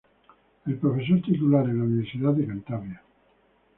Es Profesor Titular en la Universidad de Cantabria.